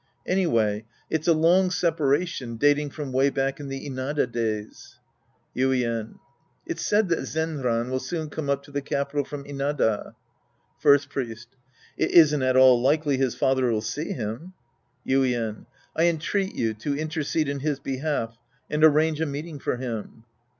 Anyway it's a long sepa ration dating from way back in the Inada days. Yuien. It's said that Zenran will soon come up to the capital from Inada. First Priest. It isn't at all likely his farther'll see him. Yuien. I entreat you to intercede in his behalf and arrange a meeting for him.